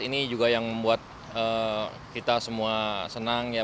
ini juga yang membuat kita semua senang ya